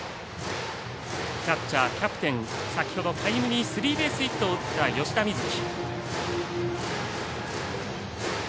キャッチャー、キャプテン先ほどタイムリースリーベースヒットを打った吉田瑞樹。